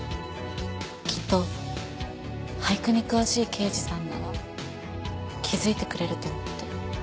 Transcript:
きっと俳句に詳しい刑事さんなら気づいてくれると思って。